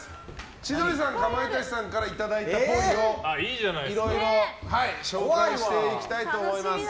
千鳥さん、かまいたちさんからいただいたっぽいをいろいろ紹介していきたいと思います。